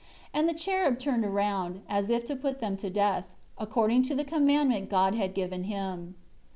And the cherub turned around, as if to put them to death; according to the commandment God had given him.